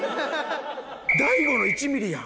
大悟の１ミリやん。